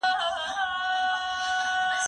زه اوږده وخت سړو ته خواړه ورکوم،